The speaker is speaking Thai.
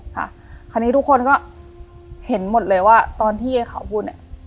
ค่ะคราวนี้ทุกคนก็เห็นหมดเลยว่าตอนที่ไอ้ข่าวพูดเนี่ย